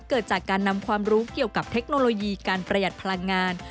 เกิดจากการนำความรู้เกี่ยวกับเทคโนโลยีการประหยัดพลังงาน